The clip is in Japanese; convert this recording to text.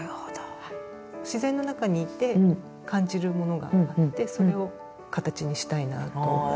自然の中にいて感じるものがあってそれを形にしたいなと思って。